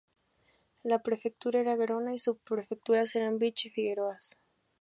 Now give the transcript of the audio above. La prefectura era Gerona y las subprefecturas eran Vich y Figueras.